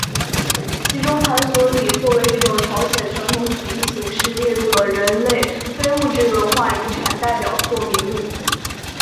其中盘索里作为一种朝鲜传统曲艺形式列入了人类非物质文化遗产代表作名录。